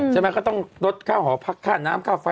ใช่ไหมก็ต้องลดค่าหอพักค่าน้ำค่าไฟ